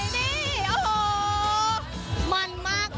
นี่โอ้โหมันมาก